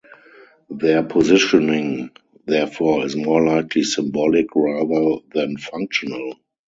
Their positioning therefore is more likely symbolic rather than functional.